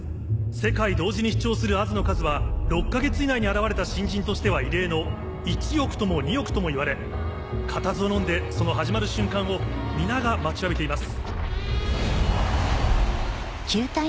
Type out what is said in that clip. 世界同時に視聴する Ａｓ の数は６か月以内に現れた新人としては異例の１億とも２億ともいわれ固唾をのんでその始まる瞬間を皆が待ちわびています。